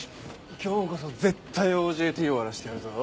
今日こそ絶対ＯＪＴ終わらせてやるぞ。